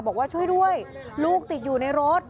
บอกว่าช่วยด้วยลูกติดอยู่ในรถ